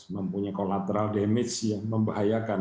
mempunyai damage kolateral yang membahayakan